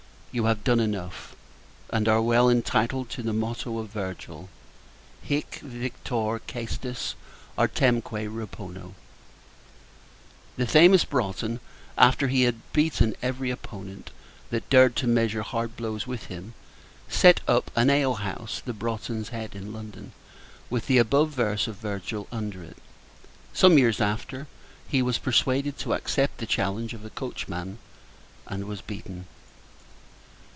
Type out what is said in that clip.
You have done enough, and are well entitled to the motto of Virgil "Hic Victor cæstus artemque repono." The famous Broughton, after he had beaten every opponent, that dared to measure hard blows with him, set up an ale house the Broughton's Head in London, with the above verse of Virgil under it. Some years after, he was persuaded to accept the challenge of a coachman, and was beaten.